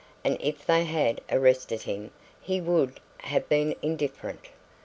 And if they had arrested him he would have been indifferent.